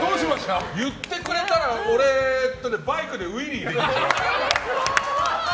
言ってくれたら俺、バイクでウイリーできるから。